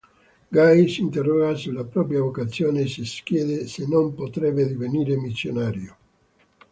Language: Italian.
Guy si interroga sulla propria vocazione e si chiede se non potrebbe divenire missionario.